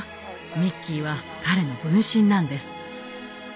ミッキーは彼の分身なんです。